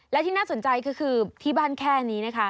และที่น่าสนใจก็คือที่บ้านแค่นี้นะคะ